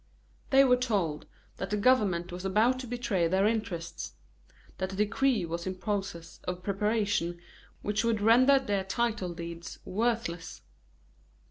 They were told that the government was about to betray their interests; that a decree was in process of preparation which would render their title deeds worthless.